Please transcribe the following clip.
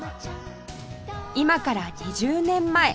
今から２０年前